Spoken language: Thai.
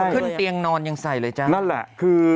ขึ้นเตียงนอนยังใส่เลยจ้ะนั่นแหละคือ